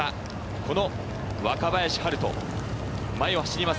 この若林陽大、前を走ります